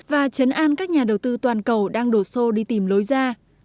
và chấn an các nhà đầu tư toàn cầu đang đổ xô đi tìm lối ra